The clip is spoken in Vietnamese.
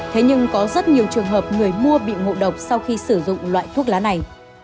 thế nhưng có rất nhiều trường hợp người mua bị ngộ độc sau khi sử dụng loại thuốc lá này